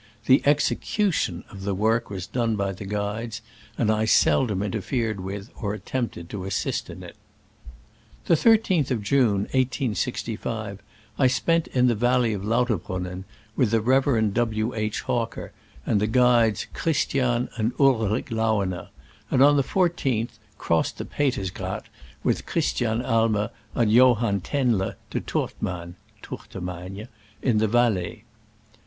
The execution of the work was done by the guides, and I seldom interfered with or attempted to assist in it. The 13th of June, 1865, I spent in the valley of Lauterbrunnen with the Rev. W. H. Hawker and the guides Christian and Ulrich Lauener, and on the 14th crossed the Petersgrat with Christian Aimer and Johann Tannler to Turtman (Tourtemagne) in the Valais.